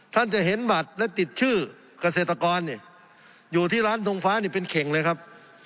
ท่านจะเห็นบัตรและติดชื่อเกษตรกรอยู่ที่ร้านทงฟ้านี่เป็นเข่งเลยครับ